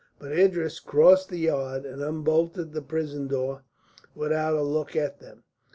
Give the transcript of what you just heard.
But Idris crossed the yard and unbolted the prison door without a look at them.